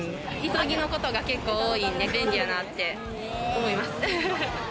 急ぎのことが結構多いんで、便利やなって思います。